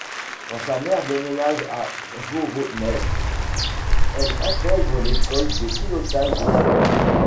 Quand sa mère déménage à Voronej, elle intègre l'école de pilotage de la ville.